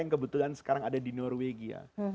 yang kebetulan sekarang ada di norwegia